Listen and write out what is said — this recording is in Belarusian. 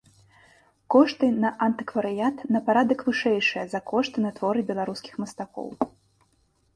Кошты на антыкварыят на парадак вышэйшыя за кошты на творы беларускіх мастакоў.